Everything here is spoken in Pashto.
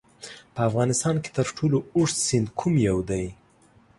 په افغانستان کې تر ټولو اوږد سیند کوم یو دی؟